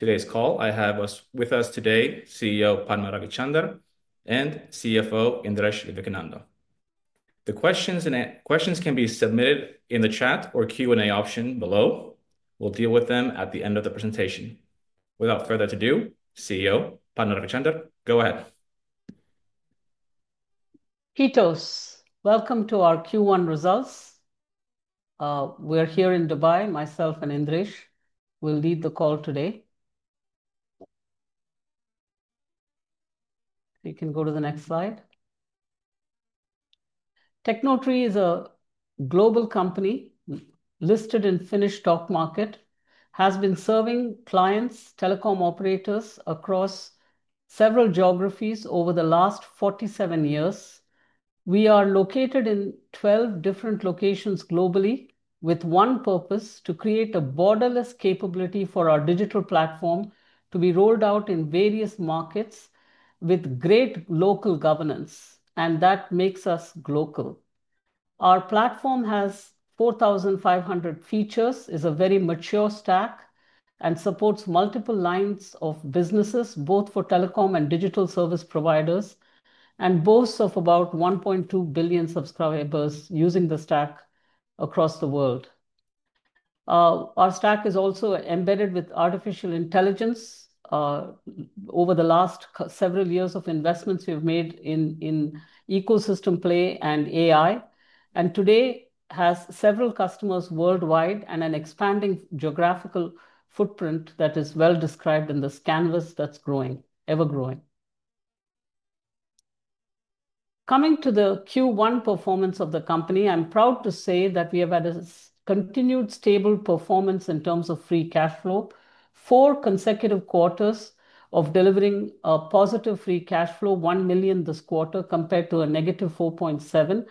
Today's call, I have with us today CEO Padma Ravichander and CFO Indiresh Vivekananda. The questions can be submitted in the chat or Q&A option below. We'll deal with them at the end of the presentation. Without further ado, CEO Padma Ravichander, go ahead. Kitos, welcome to our Q1 results. We're here in Dubai. Myself and Indiresh will lead the call today. You can go to the next slide. Tecnotree is a global company listed in the Finnish stock market. It has been serving clients, telecom operators across several geographies over the last 47 years. We are located in 12 different locations globally with one purpose: to create a borderless capability for our digital platform to be rolled out in various markets with great local governance. That makes us global. Our platform has 4,500 features, is a very mature stack, and supports multiple lines of businesses, both for telecom and digital service providers, and boasts of about 1.2 billion subscribers using the stack across the world. Our stack is also embedded with artificial intelligence. Over the last several years of investments we've made in ecosystem play and AI, and today has several customers worldwide and an expanding geographical footprint that is well described in this canvas that's growing, ever growing. Coming to the Q1 performance of the company, I'm proud to say that we have had a continued stable performance in terms of free cash flow. Four consecutive quarters of delivering a positive free cash flow, 1 million this quarter compared to a negative 4.7 million,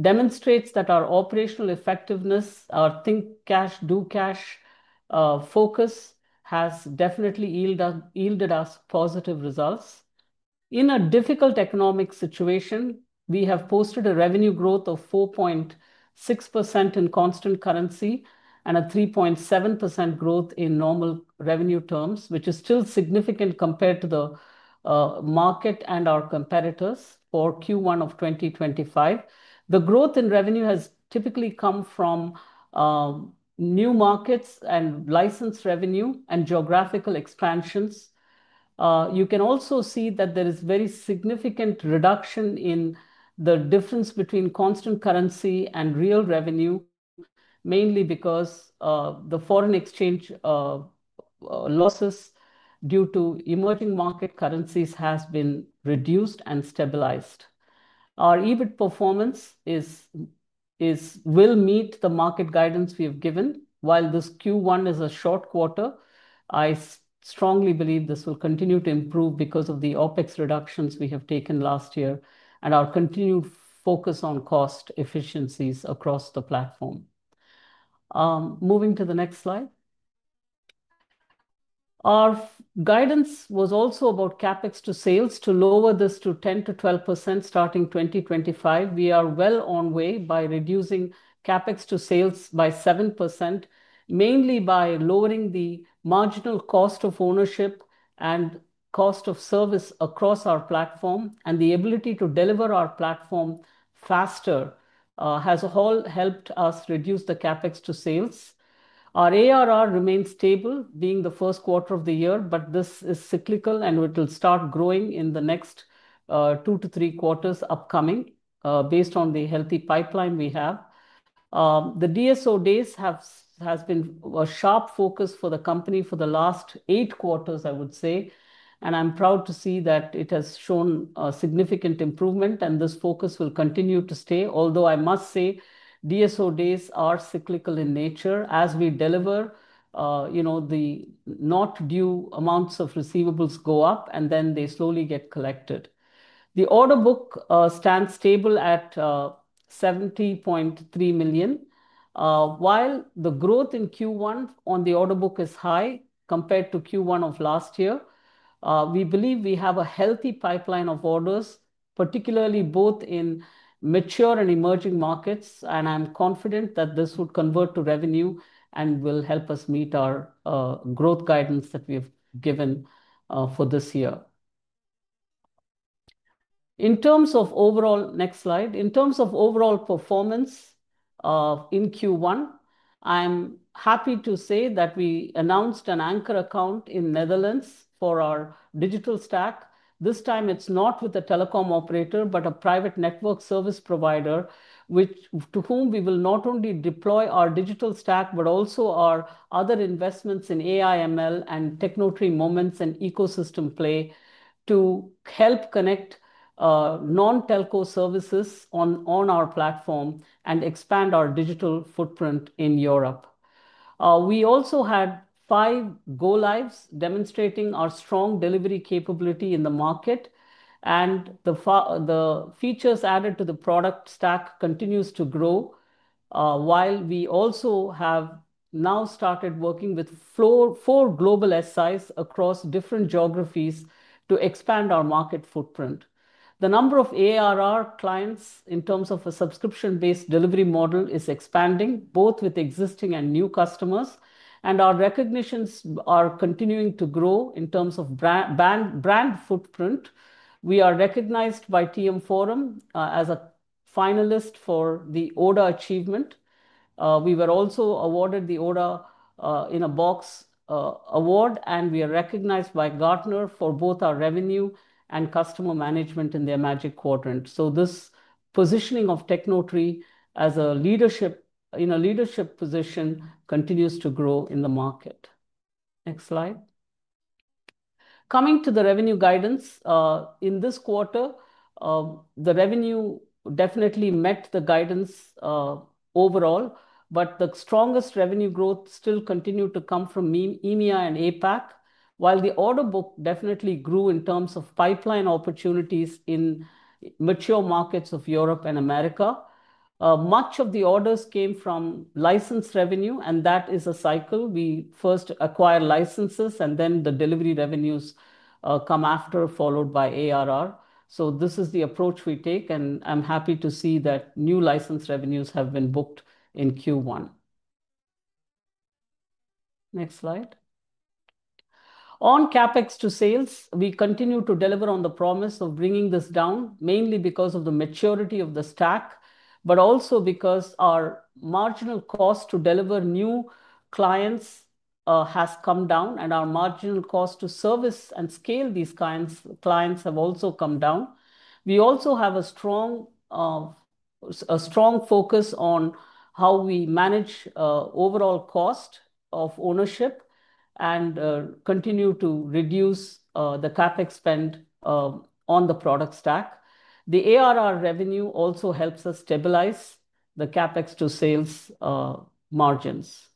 demonstrates that our operational effectiveness, our think cash, do cash focus has definitely yielded us positive results. In a difficult economic situation, we have posted a revenue growth of 4.6% in constant currency and a 3.7% growth in normal revenue terms, which is still significant compared to the market and our competitors for Q1 of 2025. The growth in revenue has typically come from new markets and license revenue and geographical expansions. You can also see that there is a very significant reduction in the difference between constant currency and real revenue, mainly because the foreign exchange losses due to emerging market currencies have been reduced and stabilized. Our EBIT performance will meet the market guidance we have given. While this Q1 is a short quarter, I strongly believe this will continue to improve because of the OpEx reductions we have taken last year and our continued focus on cost efficiencies across the platform. Moving to the next slide. Our guidance was also about CapEx to sales. To lower this to 10-12% starting 2025, we are well on way by reducing CapEx to sales by 7%, mainly by lowering the marginal cost of ownership and cost of service across our platform. The ability to deliver our platform faster has all helped us reduce the CapEx to sales. Our ARR remains stable, being the first quarter of the year, but this is cyclical and it will start growing in the next two to three quarters upcoming based on the healthy pipeline we have. The DSO days have been a sharp focus for the company for the last eight quarters, I would say. I'm proud to see that it has shown a significant improvement and this focus will continue to stay. Although I must say, DSO days are cyclical in nature. As we deliver, the not due amounts of receivables go up and then they slowly get collected. The order book stands stable at 70.3 million. While the growth in Q1 on the order book is high compared to Q1 of last year, we believe we have a healthy pipeline of orders, particularly both in mature and emerging markets. I am confident that this would convert to revenue and will help us meet our growth guidance that we have given for this year. In terms of overall, next slide. In terms of overall performance in Q1, I am happy to say that we announced an anchor account in the Netherlands for our Digital Stack. This time it is not with a telecom operator, but a private network service provider, to whom we will not only deploy our Digital Stack, but also our other investments in AI/ML and Tecnotree Moments and ecosystem play to help connect non-telco services on our platform and expand our digital footprint in Europe. We also had five go-lives demonstrating our strong delivery capability in the market. The features added to the product stack continue to grow, while we also have now started working with four global SIs across different geographies to expand our market footprint. The number of ARR clients in terms of a subscription-based delivery model is expanding, both with existing and new customers. Our recognitions are continuing to grow in terms of brand footprint. We are recognized by TM Forum as a finalist for the ODA achievement. We were also awarded the ODA in a box award, and we are recognized by Gartner for both our revenue and customer management in their Magic Quadrant. This positioning of Tecnotree in a leadership position continues to grow in the market. Next slide. Coming to the revenue guidance, in this quarter, the revenue definitely met the guidance overall, but the strongest revenue growth still continued to come from EMEA and APAC, while the order book definitely grew in terms of pipeline opportunities in mature markets of Europe and America. Much of the orders came from license revenue, and that is a cycle. We first acquire licenses, and then the delivery revenues come after, followed by ARR. This is the approach we take, and I'm happy to see that new license revenues have been booked in Q1. Next slide. On CapEx to sales, we continue to deliver on the promise of bringing this down, mainly because of the maturity of the stack, but also because our marginal cost to deliver new clients has come down, and our marginal cost to service and scale these clients have also come down. We also have a strong focus on how we manage overall cost of ownership and continue to reduce the CapEx spend on the product stack. The ARR revenue also helps us stabilize the CapEx to sales margins.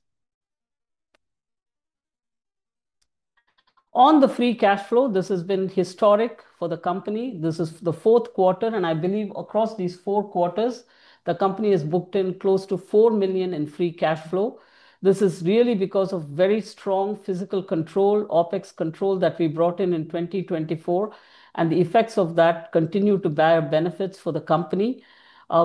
On the free cash flow, this has been historic for the company. This is the fourth quarter, and I believe across these four quarters, the company has booked in close to 4 million in free cash flow. This is really because of very strong physical control, OpEx control that we brought in in 2024, and the effects of that continue to bear benefits for the company.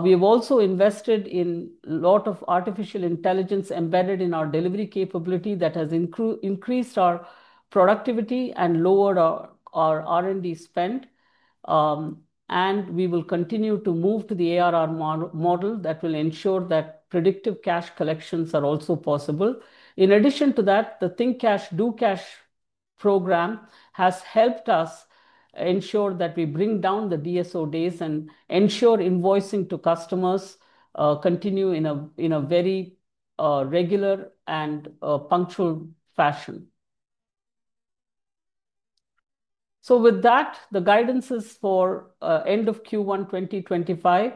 We have also invested in a lot of artificial intelligence embedded in our delivery capability that has increased our productivity and lowered our R&D spend. We will continue to move to the ARR model that will ensure that predictive cash collections are also possible. In addition to that, the Think Cash, Do Cash program has helped us ensure that we bring down the DSO days and ensure invoicing to customers continues in a very regular and punctual fashion. With that, the guidances for end of Q1 2025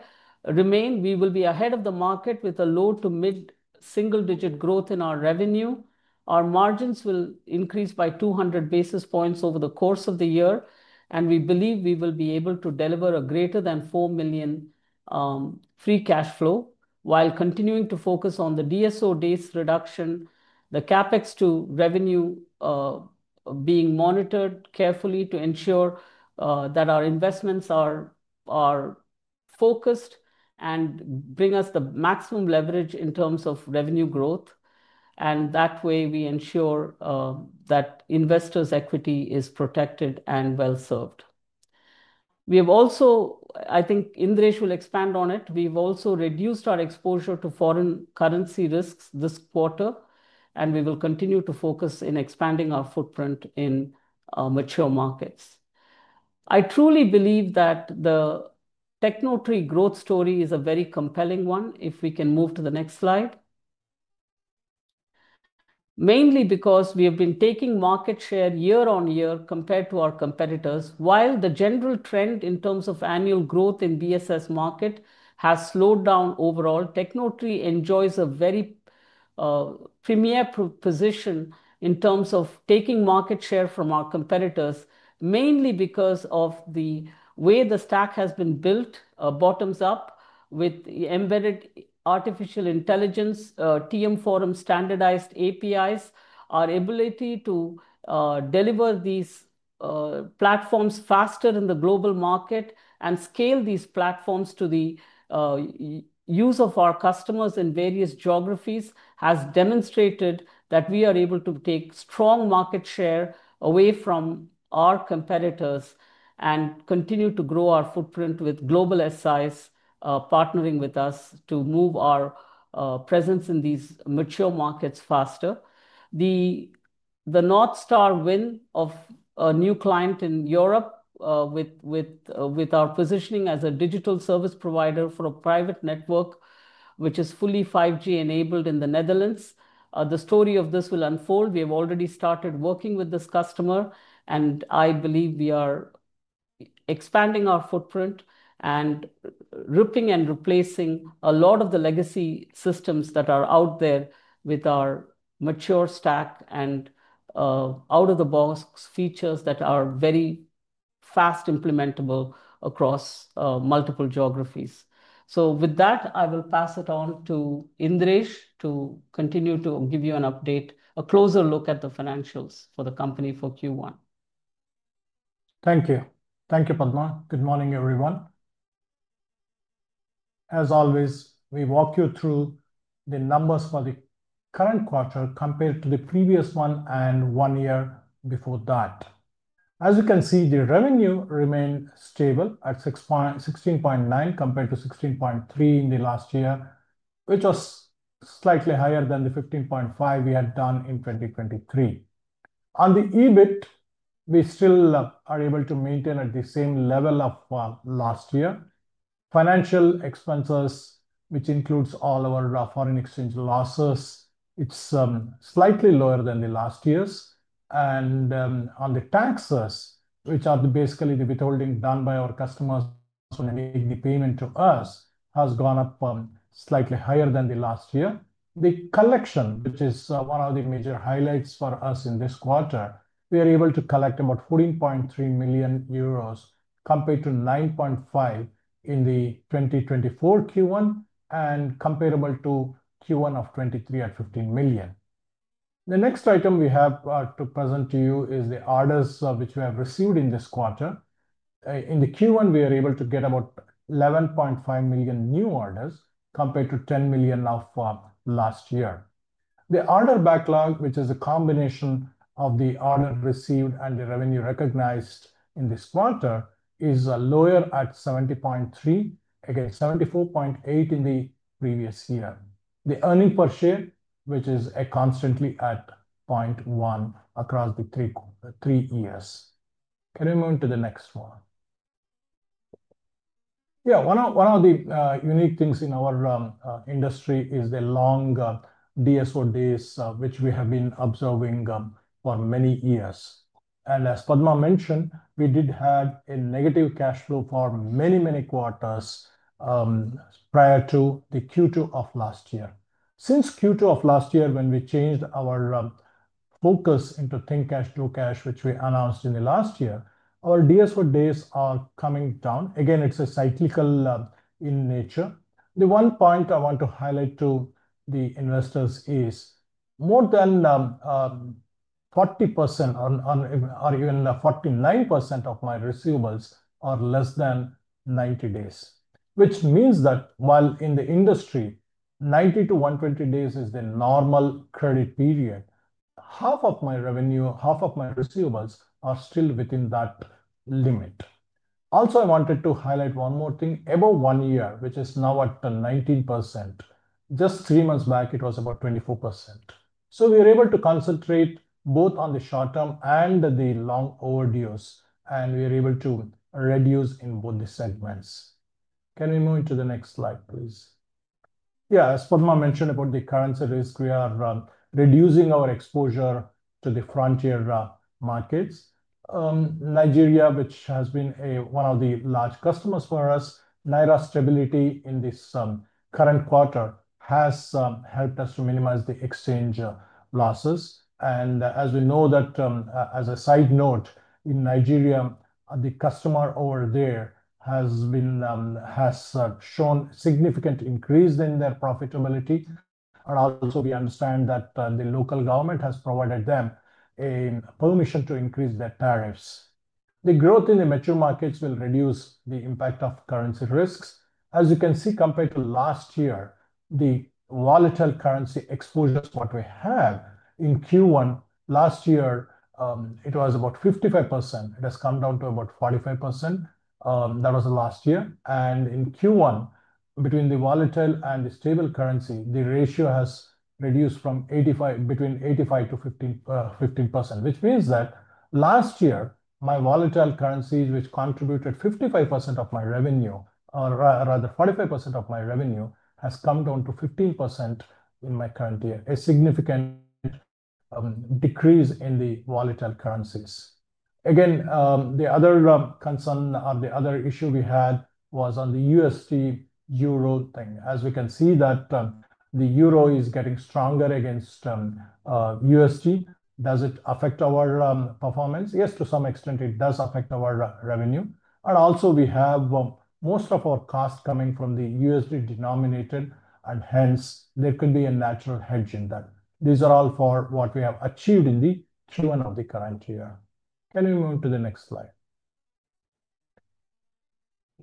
remain. We will be ahead of the market with a low- to mid-single-digit growth in our revenue. Our margins will increase by 200 basis points over the course of the year, and we believe we will be able to deliver a greater than 4 million free cash flow while continuing to focus on the DSO days reduction, the CapEx to revenue being monitored carefully to ensure that our investments are focused and bring us the maximum leverage in terms of revenue growth. That way we ensure that investors' equity is protected and well served. We have also, I think Indiresh will expand on it. We've also reduced our exposure to foreign currency risks this quarter, and we will continue to focus on expanding our footprint in mature markets. I truly believe that the Tecnotree growth story is a very compelling one if we can move to the next slide. Mainly because we have been taking market share year on year compared to our competitors, while the general trend in terms of annual growth in the BSS market has slowed down overall. Tecnotree enjoys a very premier position in terms of taking market share from our competitors, mainly because of the way the stack has been built bottoms up with embedded artificial intelligence, TM Forum standardized APIs. Our ability to deliver these platforms faster in the global market and scale these platforms to the use of our customers in various geographies has demonstrated that we are able to take strong market share away from our competitors and continue to grow our footprint with global SIs partnering with us to move our presence in these mature markets faster. The North Star win of a new client in Europe with our positioning as a digital service provider for a private network, which is fully 5G enabled in the Netherlands. The story of this will unfold. We have already started working with this customer, and I believe we are expanding our footprint and ripping and replacing a lot of the legacy systems that are out there with our mature stack and out-of-the-box features that are very fast implementable across multiple geographies. With that, I will pass it on to Indiresh to continue to give you an update, a closer look at the financials for the company for Q1. Thank you. Thank you, Padma. Good morning, everyone. As always, we walk you through the numbers for the current quarter compared to the previous one and one year before that. As you can see, the revenue remained stable at 16.9 million compared to 16.3 million in the last year, which was slightly higher than the 15.5 million we had done in 2023. On the EBIT, we still are able to maintain at the same level of last year. Financial expenses, which includes all our foreign exchange losses, are slightly lower than the last year's. On the taxes, which are basically the withholding done by our customers when they make the payment to us, has gone up slightly higher than the last year. The collection, which is one of the major highlights for us in this quarter, we are able to collect about 14.3 million euros compared to 9.5 million in the 2024 Q1 and comparable to Q1 of 2023 at 15 million. The next item we have to present to you is the orders which we have received in this quarter. In the Q1, we were able to get about 11.5 million new orders compared to 10 million of last year. The order backlog, which is a combination of the order received and the revenue recognized in this quarter, is lower at 70.3 million, against 74.8 million in the previous year. The earning per share, which is constantly at 0.1 across the three years. Can we move to the next one? Yeah, one of the unique things in our industry is the long DSO days, which we have been observing for many years. As Padma mentioned, we did have a negative cash flow for many, many quarters prior to Q2 of last year. Since Q2 of last year, when we changed our focus into Think Cash, Do Cash, which we announced in the last year, our DSO days are coming down. Again, it's cyclical in nature. The one point I want to highlight to the investors is more than 40% or even 49% of my receivables are less than 90 days, which means that while in the industry, 90-120 days is the normal credit period, half of my revenue, half of my receivables are still within that limit. Also, I wanted to highlight one more thing about one year, which is now at 19%. Just three months back, it was about 24%. We were able to concentrate both on the short term and the long overdues, and we were able to reduce in both the segments. Can we move to the next slide, please? Yeah, as Padma mentioned about the currency risk, we are reducing our exposure to the frontier markets. Nigeria, which has been one of the large customers for us, Naira's stability in this current quarter has helped us to minimize the exchange losses. As we know, as a side note, in Nigeria, the customer over there has shown a significant increase in their profitability. Also, we understand that the local government has provided them a permission to increase their tariffs. The growth in the mature markets will reduce the impact of currency risks. As you can see, compared to last year, the volatile currency exposure, what we have in Q1 last year, it was about 55%. It has come down to about 45%. That was last year. In Q1, between the volatile and the stable currency, the ratio has reduced from between 85% to 15%, which means that last year, my volatile currencies, which contributed 55% of my revenue, or rather 45% of my revenue, has come down to 15% in my current year. A significant decrease in the volatile currencies. Again, the other concern or the other issue we had was on the USD/EUR thing. As we can see, the EUR is getting stronger against USD. Does it affect our performance? Yes, to some extent, it does affect our revenue. We have most of our costs coming from the USD denominated, and hence, there could be a natural hedge in that. These are all for what we have achieved in the Q1 of the current year. Can we move to the next slide?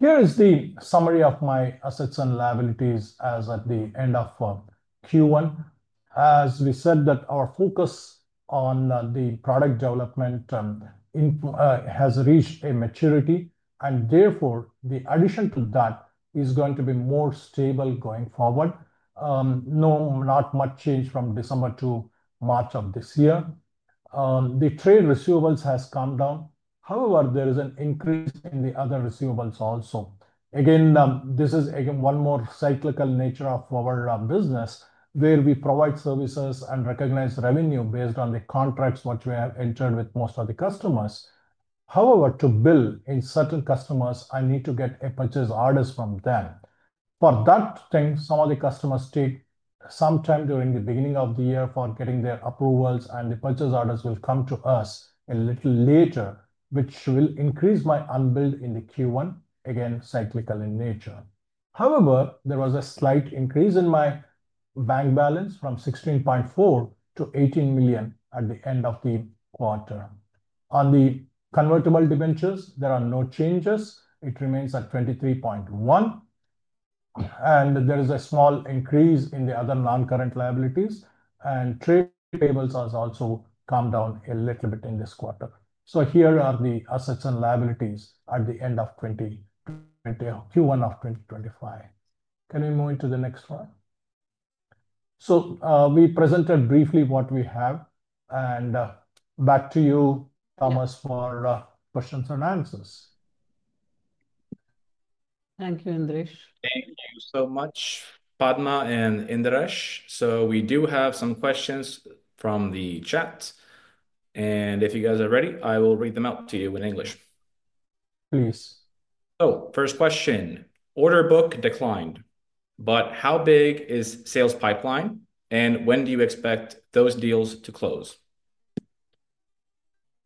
Here is the summary of my assets and liabilities as at the end of Q1. As we said, our focus on the product development has reached a maturity, and therefore, the addition to that is going to be more stable going forward. Not much change from December to March of this year. The trade receivables have come down. However, there is an increase in the other receivables also. Again, this is one more cyclical nature of our business, where we provide services and recognize revenue based on the contracts which we have entered with most of the customers. However, to bill certain customers, I need to get a purchase order from them. For that thing, some of the customers take some time during the beginning of the year for getting their approvals, and the purchase orders will come to us a little later, which will increase my unbilled in the Q1, again, cyclical in nature. However, there was a slight increase in my bank balance from 16.4 million to 18 million at the end of the quarter. On the convertible debentures, there are no changes. It remains at 23.1 million. There is a small increase in the other non-current liabilities. Trade payables have also come down a little bit in this quarter. Here are the assets and liabilities at the end of Q1 of 2025. Can we move into the next one? We presented briefly what we have. Back to you, Thomas, for questions and answers. Thank you, Indiresh. Thank you so much, Padma and Indiresh. We do have some questions from the chat. If you guys are ready, I will read them out to you in English. Please. First question, order book declined, but how big is sales pipeline? And when do you expect those deals to close?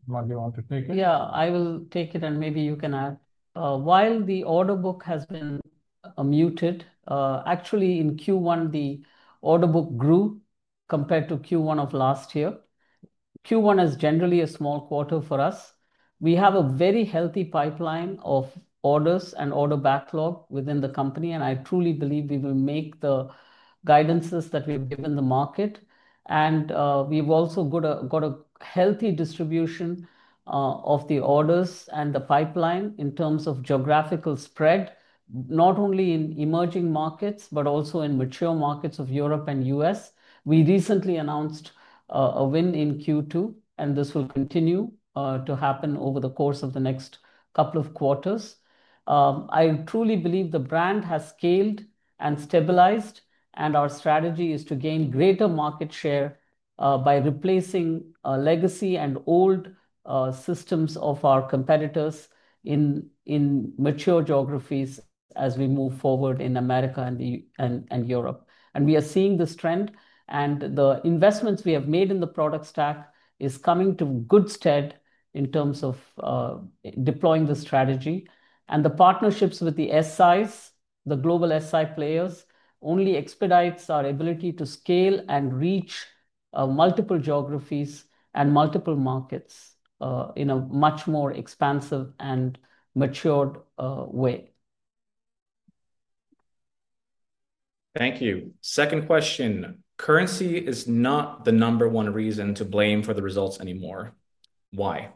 Do you want to take it? Yeah, I will take it, and maybe you can add. While the order book has been muted, actually, in Q1, the order book grew compared to Q1 of last year. Q1 is generally a small quarter for us. We have a very healthy pipeline of orders and order backlog within the company. I truly believe we will make the guidances that we've given the market. We have also got a healthy distribution of the orders and the pipeline in terms of geographical spread, not only in emerging markets, but also in mature markets of Europe and the U.S. We recently announced a win in Q2, and this will continue to happen over the course of the next couple of quarters. I truly believe the brand has scaled and stabilized, and our strategy is to gain greater market share by replacing legacy and old systems of our competitors in mature geographies as we move forward in America and Europe. We are seeing this trend, and the investments we have made in the product stack are coming to good stead in terms of deploying the strategy. The partnerships with the SIs, the global SI players, only expedite our ability to scale and reach multiple geographies and multiple markets in a much more expansive and matured way. Thank you. Second question, currency is not the number one reason to blame for the results anymore. Why?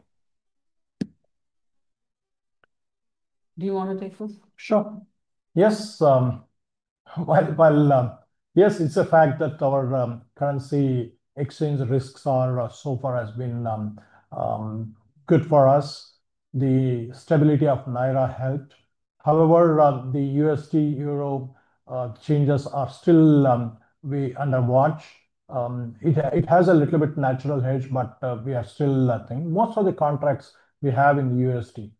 Do you want to take this? Sure. Yes. Yes, it is a fact that our currency exchange risks so far have been good for us. The stability of the Naira helped. However, the USD/EUR changes are still under watch. It has a little bit of natural hedge, but we are still, I think, most of the contracts we have are in the USD.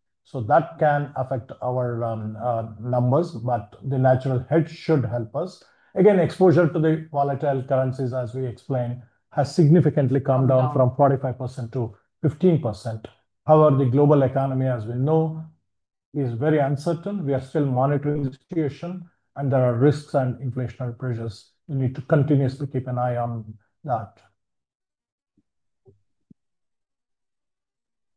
That can affect our numbers, but the natural hedge should help us. Again, exposure to the volatile currencies, as we explained, has significantly come down from 45% to 15%. However, the global economy, as we know, is very uncertain. We are still monitoring the situation, and there are risks and inflationary pressures we need to continuously keep an eye on that.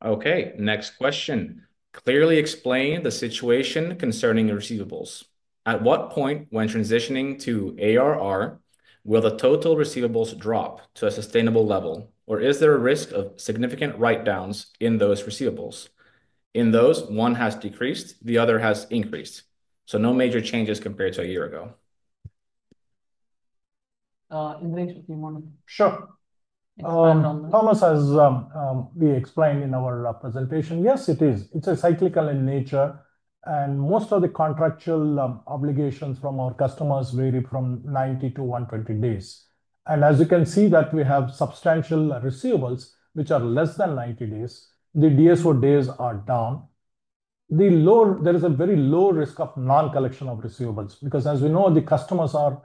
Okay, next question. Clearly explain the situation concerning receivables. At what point when transitioning to ARR, will the total receivables drop to a sustainable level, or is there a risk of significant write-downs in those receivables? In those, one has decreased, the other has increased. No major changes compared to a year ago. Indiresh, do you want to? Sure. Thomas has explained in our presentation, yes, it is. It is cyclical in nature. Most of the contractual obligations from our customers vary from 90-120 days. As you can see, we have substantial receivables, which are less than 90 days. The DSO days are down. There is a very low risk of non-collection of receivables because, as we know, the customers are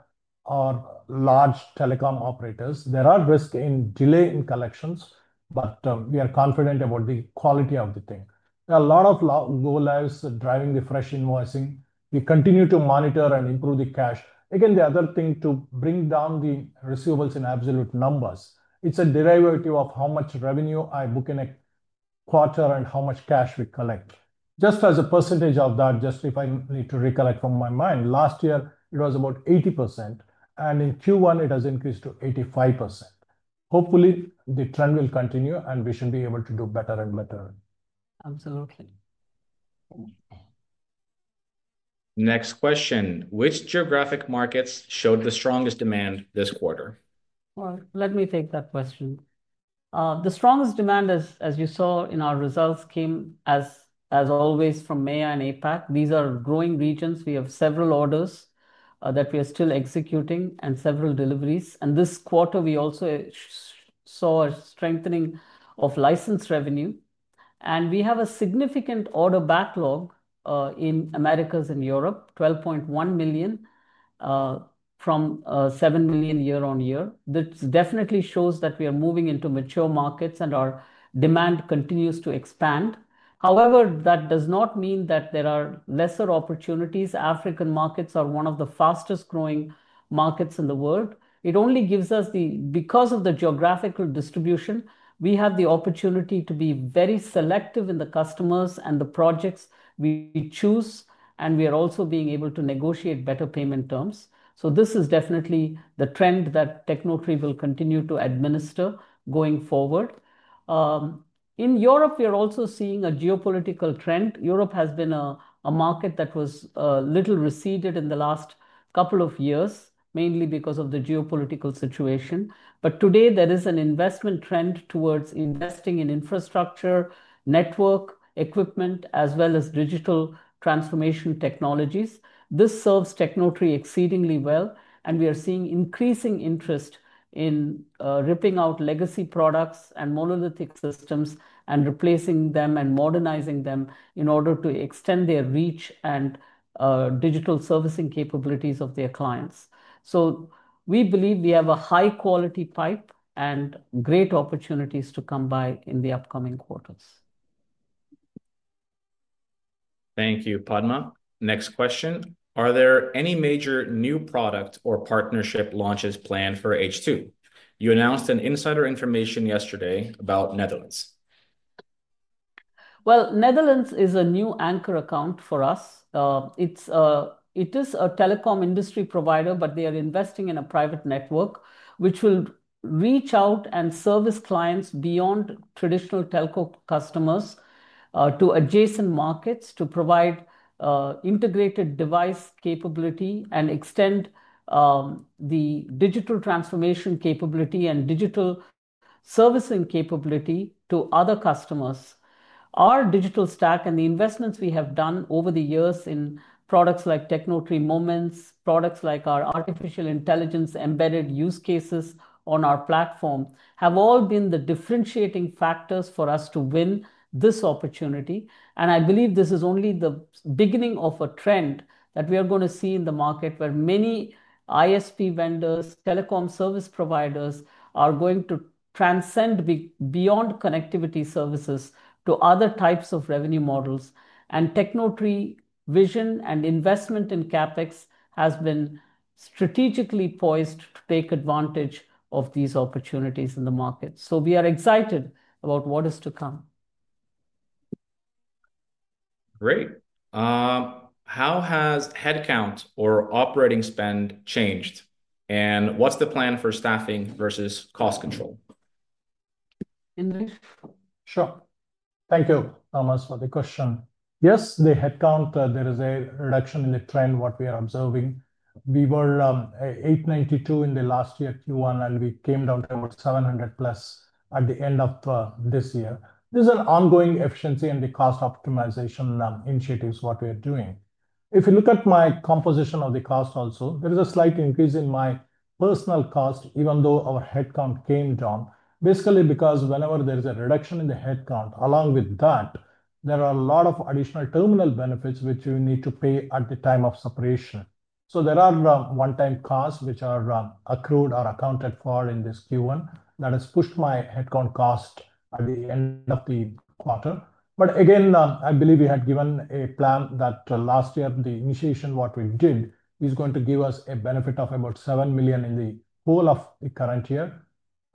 large telecom operators. There are risks in delay in collections, but we are confident about the quality of the thing. There are a lot of low lives driving the fresh invoicing. We continue to monitor and improve the cash. Again, the other thing to bring down the receivables in absolute numbers, it is a derivative of how much revenue I book in a quarter and how much cash we collect. Just as a percentage of that, just if I need to recollect from my mind, last year, it was about 80%. In Q1, it has increased to 85%. Hopefully, the trend will continue, and we should be able to do better and better. Absolutely. Next question. Which geographic markets showed the strongest demand this quarter? Let me take that question. The strongest demand, as you saw in our results, came, as always, from EMEA and APAC. These are growing regions. We have several orders that we are still executing and several deliveries. This quarter, we also saw a strengthening of license revenue. We have a significant order backlog in Americas and Europe, 12.1 million from 7 million year-on-year. This definitely shows that we are moving into mature markets and our demand continues to expand. However, that does not mean that there are lesser opportunities. African markets are one of the fastest-growing markets in the world. It only gives us the, because of the geographical distribution, we have the opportunity to be very selective in the customers and the projects we choose, and we are also being able to negotiate better payment terms. This is definitely the trend that Tecnotree will continue to administer going forward. In Europe, we are also seeing a geopolitical trend. Europe has been a market that was a little receded in the last couple of years, mainly because of the geopolitical situation. Today, there is an investment trend towards investing in infrastructure, network, equipment, as well as digital transformation technologies. This serves Tecnotree exceedingly well. We are seeing increasing interest in ripping out legacy products and monolithic systems and replacing them and modernizing them in order to extend their reach and digital servicing capabilities of their clients. We believe we have a high-quality pipe and great opportunities to come by in the upcoming quarters. Thank you, Padma. Next question. Are there any major new product or partnership launches planned for H2? You announced an insider information yesterday about Netherlands. Netherlands is a new anchor account for us. It is a telecom industry provider, but they are investing in a private network, which will reach out and service clients beyond traditional telco customers to adjacent markets to provide integrated device capability and extend the digital transformation capability and digital servicing capability to other customers. Our Digital Stack and the investments we have done over the years in products like Tecnotree Moments, products like our artificial intelligence embedded use cases on our platform have all been the differentiating factors for us to win this opportunity. I believe this is only the beginning of a trend that we are going to see in the market where many ISP vendors, telecom service providers are going to transcend beyond connectivity services to other types of revenue models. Tecnotree vision and investment in CapEx has been strategically poised to take advantage of these opportunities in the market. We are excited about what is to come. Great. How has headcount or operating spend changed? What's the plan for staffing versus cost control? Indiresh? Sure. Thank you, Thomas, for the question. Yes, the headcount, there is a reduction in the trend we are observing. We were 892 in last year Q1, and we came down to 700 plus at the end of this year. This is an ongoing efficiency and the cost optimization initiatives we are doing. If you look at my composition of the cost also, there is a slight increase in my personnel cost, even though our headcount came down. Basically, because whenever there is a reduction in the headcount, along with that, there are a lot of additional terminal benefits which you need to pay at the time of separation. There are one-time costs which are accrued or accounted for in this Q1 that has pushed my headcount cost at the end of the quarter. I believe we had given a plan that last year, the initiation what we did is going to give us a benefit of about 7 million in the whole of the current year.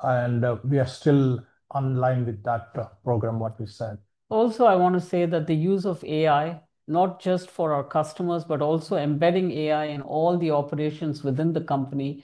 We are still online with that program what we said. Also, I want to say that the use of AI, not just for our customers, but also embedding AI in all the operations within the company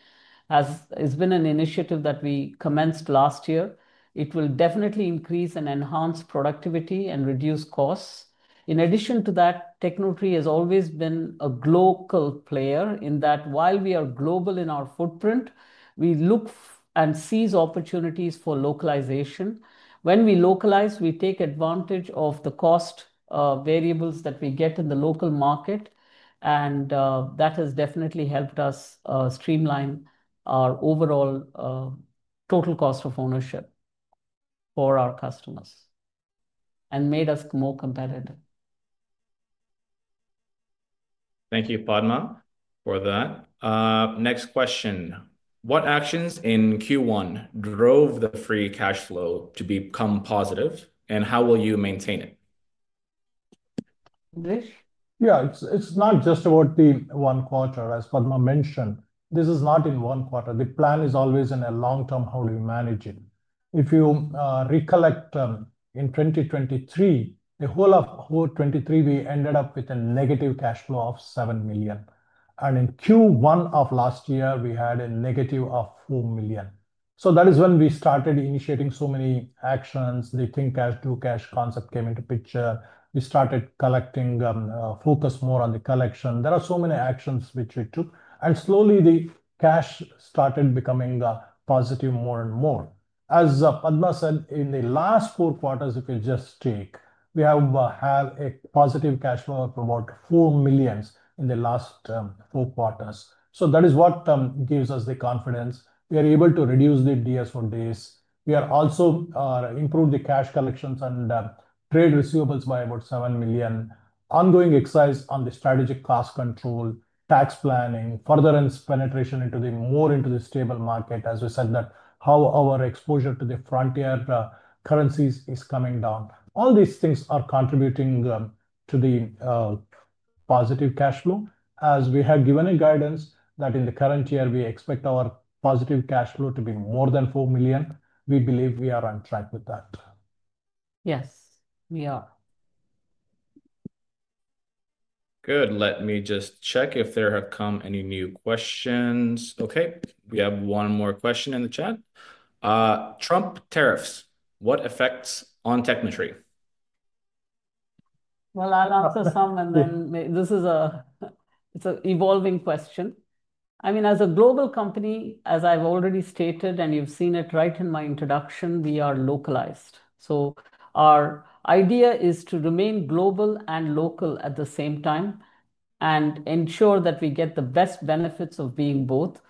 has been an initiative that we commenced last year. It will definitely increase and enhance productivity and reduce costs. In addition to that, Tecnotree has always been a global player in that while we are global in our footprint, we look and seize opportunities for localization. When we localize, we take advantage of the cost variables that we get in the local market. That has definitely helped us streamline our overall total cost of ownership for our customers and made us more competitive. Thank you, Padma, for that. Next question. What actions in Q1 drove the free cash flow to become positive, and how will you maintain it? Indiresh? Yeah, it's not just about the one quarter, as Padma mentioned. This is not in one quarter. The plan is always in a long term, how do you manage it? If you recollect in 2023, the whole of 2023, we ended up with a negative cash flow of 7 million. In Q1 of last year, we had a negative of 4 million. That is when we started initiating so many actions. The think cash, do cash concept came into picture. We started collecting, focus more on the collection. There are so many actions which we took. Slowly, the cash started becoming positive more and more. As Padma said, in the last four quarters, if you just take, we have had a positive cash flow of about 4 million in the last four quarters. That is what gives us the confidence. We are able to reduce the DSO days. We are also improving the cash collections and trade receivables by about 7 million. Ongoing exercise on the strategic cost control, tax planning, further penetration into the more into the stable market, as we said, that how our exposure to the frontier currencies is coming down. All these things are contributing to the positive cash flow. As we have given a guidance that in the current year, we expect our positive cash flow to be more than 4 million. We believe we are on track with that. Yes, we are. Good. Let me just check if there have come any new questions. Okay, we have one more question in the chat. Trump tariffs, what effects on Tecnotree? I will answer some, and then this is a it's an evolving question. I mean, as a global company, as I have already stated, and you have seen it right in my introduction, we are localized. Our idea is to remain global and local at the same time and ensure that we get the best benefits of being both.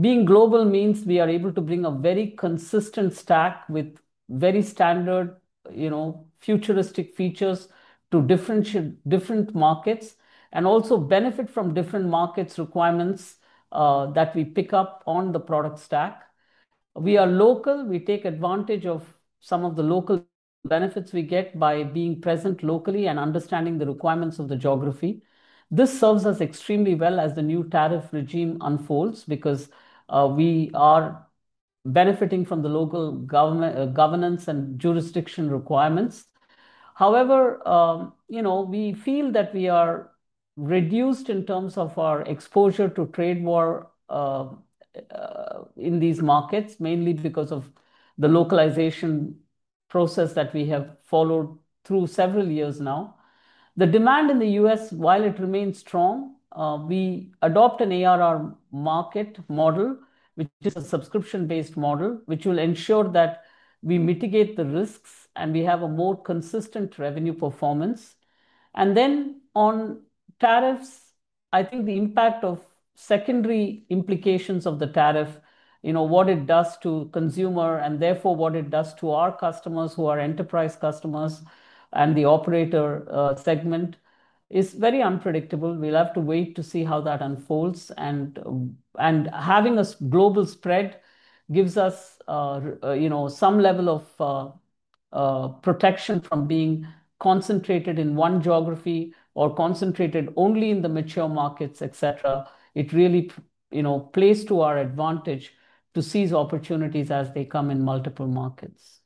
Being global means we are able to bring a very consistent stack with very standard, you know, futuristic features to different markets and also benefit from different markets' requirements that we pick up on the product stack. We are local. We take advantage of some of the local benefits we get by being present locally and understanding the requirements of the geography. This serves us extremely well as the new tariff regime unfolds because we are benefiting from the local governance and jurisdiction requirements. However, you know, we feel that we are reduced in terms of our exposure to trade war in these markets, mainly because of the localization process that we have followed through several years now. The demand in the U.S., while it remains strong, we adopt an ARR market model, which is a subscription-based model, which will ensure that we mitigate the risks and we have a more consistent revenue performance. On tariffs, I think the impact of secondary implications of the tariff, you know, what it does to consumer and therefore what it does to our customers who are enterprise customers and the operator segment is very unpredictable. We'll have to wait to see how that unfolds. Having a global spread gives us, you know, some level of protection from being concentrated in one geography or concentrated only in the mature markets, etc. It really, you know, plays to our advantage to seize opportunities as they come in multiple markets.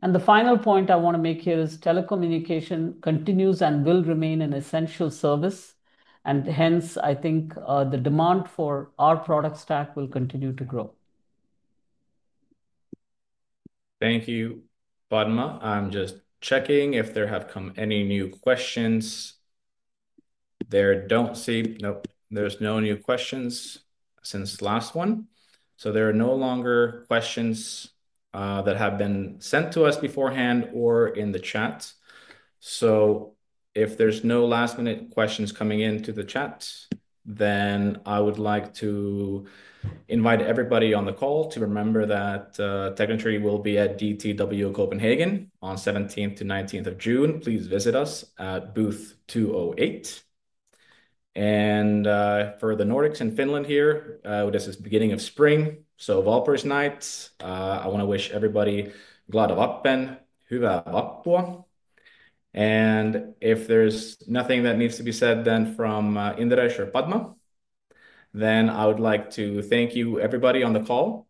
The final point I want to make here is telecommunication continues and will remain an essential service. Hence, I think the demand for our product stack will continue to grow. Thank you, Padma. I'm just checking if there have come any new questions. There don't see, nope, there's no new questions since last one. There are no longer questions that have been sent to us beforehand or in the chat. If there are no last-minute questions coming into the chat, I would like to invite everybody on the call to remember that Tecnotree will be at DTW Copenhagen on 17th to 19th of June. Please visit us at booth 208. For the Nordics and Finland here, this is the beginning of spring. Valpuris Night, I want to wish everybody glada vappen, hyvää vappua. If there is nothing that needs to be said from Indiresh or Padma, I would like to thank you everybody on the call.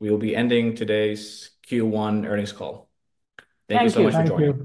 We will be ending today's Q1 earnings call. Thank you so much for joining.